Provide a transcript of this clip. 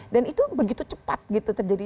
dan itu begitu cepat terjadi